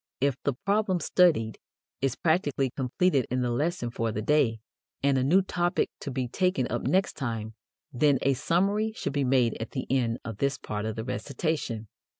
If the problem studied is practically completed in the lesson for the day, and a new topic to be taken up next time, then a summary should be made at the end of this part of the recitation.